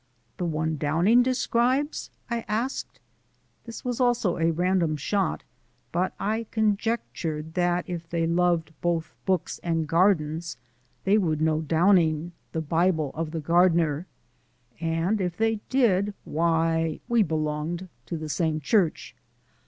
"The one Downing describes?" I asked. This was also a random shot, but I conjectured that if they loved both books gardens they would know Downing Bible of the gardener. And if they did, we belonged to the same church.